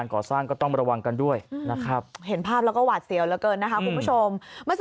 นะครับเห็นภาพแล้วก็หวาดเสียวแล้วเกินนะครับคุณผู้ชม